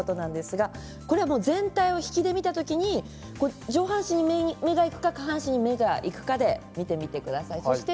これは全体を引きで見た時に上半身に目がいくか下半身に目がいくかで見てみてください。